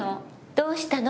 どうしたの？